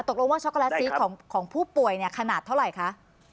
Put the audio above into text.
ตกลงว่าช็อกโกแลตซีสของผู้ป่วยเนี่ยขนาดเท่าไหร่คะ